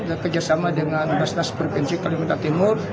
dan kerjasama dengan basnas perpinci kalimantan timur